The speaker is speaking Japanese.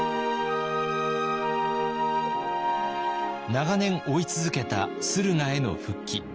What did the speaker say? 長年追い続けた駿河への復帰。